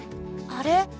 あれ？